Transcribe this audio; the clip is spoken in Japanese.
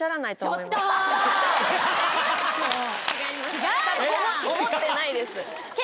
思ってないです。